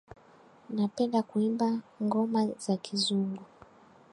Napenda kuimba ngoma za kizungu